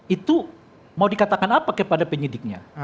itu mau dikatakan apa kepada penyidiknya